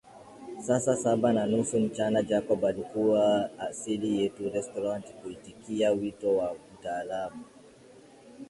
Saa saba na nusu mchana Jacob alikuwa asili yetu restaurant kuitikia wito wa mtaalamu